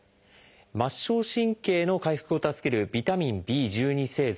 末梢神経の回復を助けるビタミンＢ製剤。